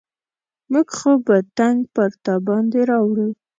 موږ خو به تنګ پر تا باندې راوړو.